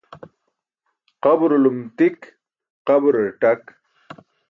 Qaburulum tik qaburar ṭak.